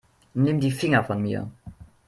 Nimm die Finger von mir.